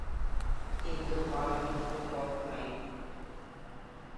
কিন্তু পালানোর তো পথ নাই।